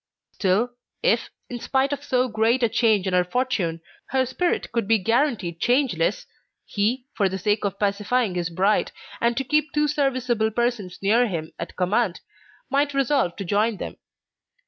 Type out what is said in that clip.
Still, if, in spite of so great a change in her fortune, her spirit could be guaranteed changeless, he, for the sake of pacifying his bride, and to keep two serviceable persons near him, at command, might resolve to join them.